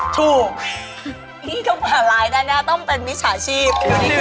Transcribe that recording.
ถูกนี่ก็ผ่านลายได้นะต้องเป็นมิจฉาชีพ